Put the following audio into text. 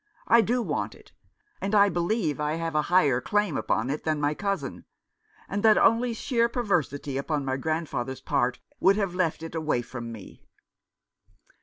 I do want it ; and I believe I have a higher claim upon it than my cousin, and that only sheer perversity upon my grandfather's part would have left it away from me."